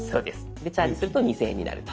でチャージすると２，０００円になると。